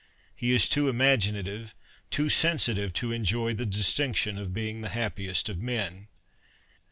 He is too imaginative, too sensitive, to enjoy the distinction of being the happiest of men.